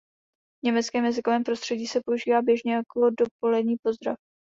V německém jazykovém prostředí se používá běžně jako dopolední pozdrav.